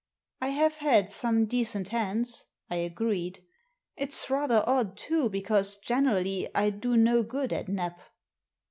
" I have had some decent hands," I agreed. '* It's rather odd too, because generally I do no good at Nap."